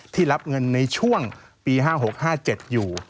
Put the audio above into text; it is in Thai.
รับเงินในช่วงปี๕๖๕๗อยู่